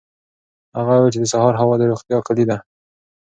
هغه وویل چې د سهار هوا د روغتیا کلي ده.